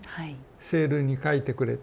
セールに描いてくれて。